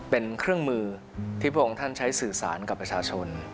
เป็นเครื่องมือที่พระองค์ท่านใช้สื่อสารกับประชาชน